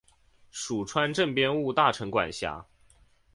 属川滇边务大臣管辖。